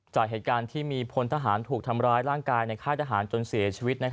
จากเหตุการณ์ที่มีพลทหารถูกทำร้ายร่างกายในค่ายทหารจนเสียชีวิต